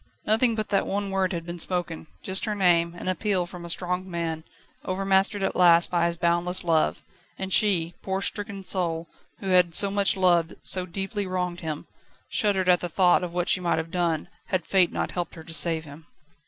Nothing but that one word had been spoken just her name, an appeal from a strong man, overmastered at last by his boundless love and she, poor, stricken soul, who had so much loved, so deeply wronged him, shuddered at the thought of what she might have done, had Fate not helped her to save him.